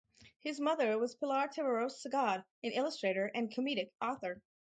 His mother was Pilar Terreros Segade, an illustrator and comedic author.